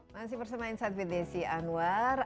masih bersama insight with desi anwar